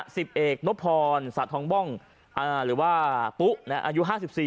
สิบเอกนพรสะทองบ้องหรือว่าปุ๊อายุ๕๔